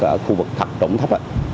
ở khu vực thật rỗng thấp